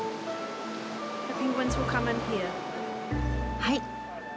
はい。